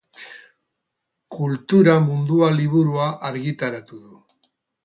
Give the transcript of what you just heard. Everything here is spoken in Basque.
Kultura mundua liburua argitaratu du.